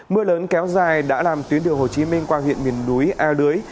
mưa lớn kéo dài đã làm tuyến đường hồ chí minh qua huyện miền núi a lưới